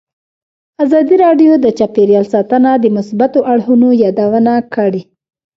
ازادي راډیو د چاپیریال ساتنه د مثبتو اړخونو یادونه کړې.